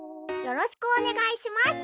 よろしくお願いします。